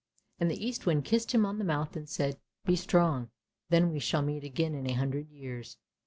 And the Eastwind kissed him on the mouth and said: " Be strong, then we shall meet again in a hundred years.